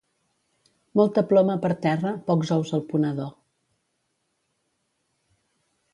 Molta ploma per terra, pocs ous al ponedor.